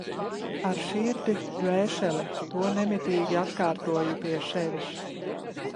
Ar sirdi, dvēseli, to nemitīgi atkārtoju pie sevis.